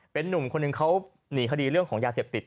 เป็นนุ่มคนนึงเขาหนีคดีเรื่องยาเสียบติด